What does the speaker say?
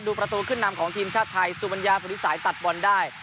ประตูขึ้นนำของทีมชาติไทยสุบัญญาภูริสายตัดบอลได้